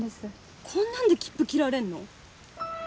こんなんで切符切られんの？